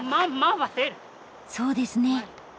そうですね。